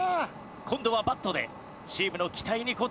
今度はバットでチームの期待に応えたい。